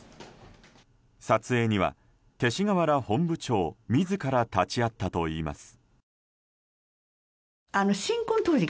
撮影には勅使河原本部長自ら立ち会ったといいます。